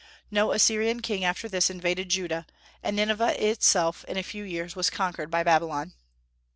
No Assyrian king after this invaded Judah, and Nineveh itself in a few years was conquered by Babylon.